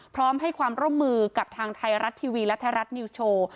พร้อมให้ความร่วมมือกับทางไทยรัฐทีวีและไทยรัฐนิวส์โชว์